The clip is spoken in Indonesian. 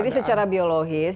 jadi secara biologis